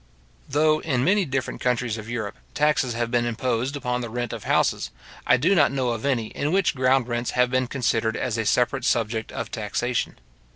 Though, in many different countries of Europe, taxes have been imposed upon the rent of houses, I do not know of any in which ground rents have been considered as a separate subject of taxation.